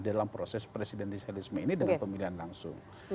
dalam proses presidensialisme ini dengan pemilihan langsung